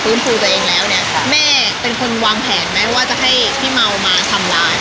ครูตัวเองแล้วเนี่ยแม่เป็นคนวางแผนไหมว่าจะให้พี่เมามาทำร้าย